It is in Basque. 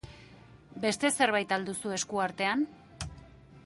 Beste zerbait al duzu esku artean?